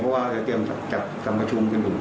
เพราะว่าเรียกเตรียมจัดสำคัญชุมกันอู่